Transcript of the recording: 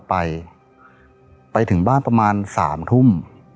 ไปไปถึงบ้านประมาณสามทุ่ม